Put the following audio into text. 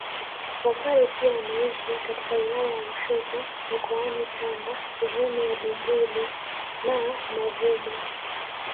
Wapare pia wanaishi katika wilaya ya Lushoto mkoani Tanga sehemu za Bumbuli na Mavumo